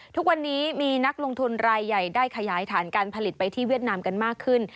ทุกวันนี้มีนักลงทุนรายใหญ่ได้ขยายฐานการผลิตไปที่เวียดนามกันมากขึ้น